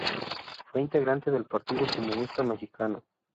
Fue integrante del Partido Comunista Mexicano.